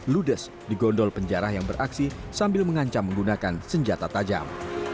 ludes di gondol penjarah yang beraksi sambil mengancam menggunakan senjata tajam